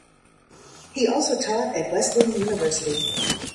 He also taught at Wesleyan University.